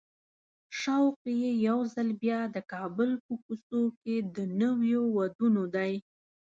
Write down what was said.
شوق یې یو ځل بیا د کابل په کوڅو کې د نویو وادونو دی.